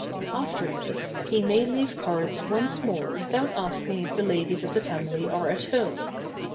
After this, he may leave cards once more without asking if the ladies of the family are at home.